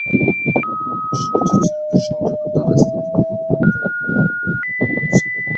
শচীশ চিরদিন সংযত, তার স্তব্ধতার মধ্যে তার হৃদয়ের গভীরতার পরিচয়।